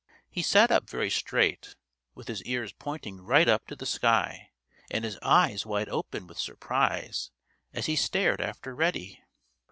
He sat up very straight, with his ears pointing right up to the sky and his eyes wide open with surprise as he stared after Reddy.